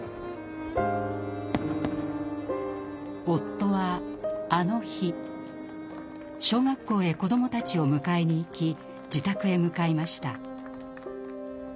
夫はあの日小学校へ子どもたちを迎えに行き自宅へ向かいました。